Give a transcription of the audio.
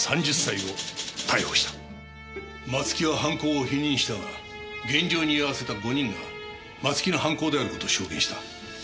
松木は犯行を否認したが現場に居合わせた５人が松木の犯行であることを証言した。